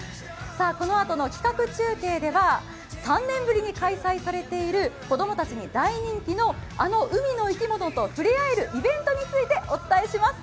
このあとの企画中継では３年ぶりに開催されている子供たちに大人気のあの海の生き物と触れ合えるイベントについてお伝えします。